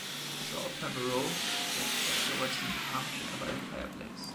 Sir Pomereux gestured towards an armchair by the fireplace.